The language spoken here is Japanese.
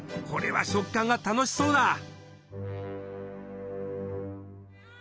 これは食感が楽しそうだ！